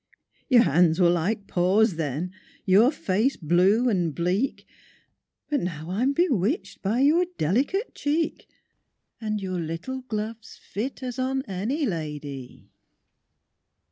—"Your hands were like paws then, your face blue and bleak, But now I'm bewitched by your delicate cheek, And your little gloves fit as on any la dy!"